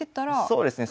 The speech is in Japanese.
そうですね